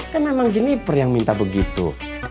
kan memang jenniper yang minta begitu